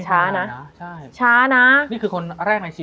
มันทำให้ชีวิตผู้มันไปไม่รอด